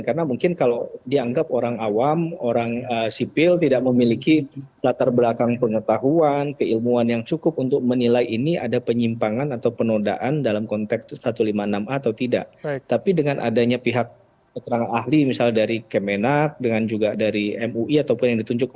karena mungkin kalau dianggap orang awam orang sipil tidak memiliki latar belakang pengetahuan keilmuan yang cukup untuk menilai ini ada penyimpangan atau penodaan dalam konteks tersebut